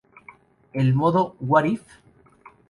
El modo What If?